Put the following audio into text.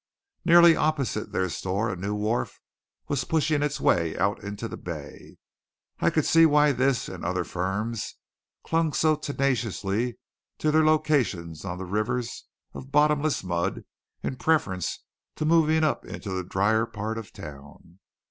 Nearly opposite their store a new wharf was pushing its way out into the bay. I could see why this and other firms clung so tenaciously to their locations on rivers of bottomless mud in preference to moving up into the drier part of town.